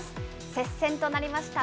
接戦となりました